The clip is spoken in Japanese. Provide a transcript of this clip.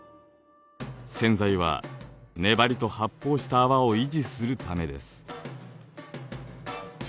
洗剤は粘りと発泡した泡を維持するためです。